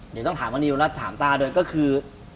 เดี๋ยวต้องถามว่านิวแล้วถามต้าด้วยก็คือ